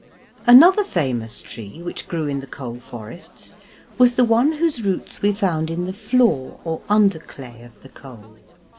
Week 23 Another famous tree which grew in the coal forests was the one whose roots we found in the floor or underclay of the coal.